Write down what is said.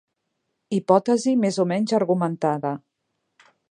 Hipòtesi més o menys argumentada.